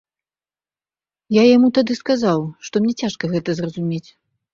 Я яму тады сказаў, што мне цяжка гэта зразумець.